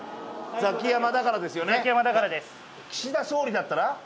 ザキヤマだからです。